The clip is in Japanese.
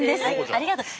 ありがとう。